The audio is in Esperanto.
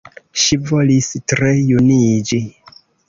Ŝi volis tre juniĝi.